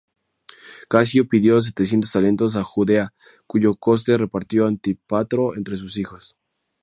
Casio pidió setecientos talentos a Judea, cuyo coste repartió Antípatro entre sus hijos.